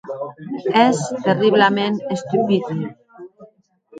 Ès terriblaments estupid.